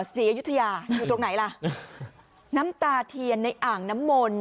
อายุทยาอยู่ตรงไหนล่ะน้ำตาเทียนในอ่างน้ำมนต์